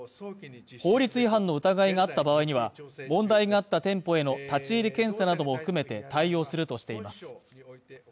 法律違反の疑いがあった場合には問題があった店舗への立ち入り検査なども含めて対応するとしています